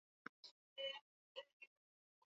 Mercury House sasa ni hoteli na unaweza kukodisha chumba